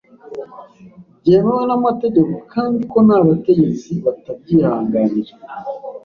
byemewe n'amategeko kandi ko n' abategetsi batabyihanganira.